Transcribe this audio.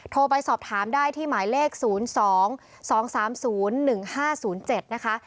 โทรไปสอบถามได้ที่หมายเลข๐๒๒๓๐๑๕๐๗นะคะ